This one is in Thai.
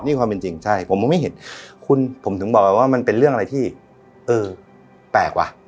นี่ความเป็นจริงใช่ผมมองไม่เห็นคุณผมถึงบอกไปว่ามันเป็นเรื่องอะไรที่เออแปลกว่ะ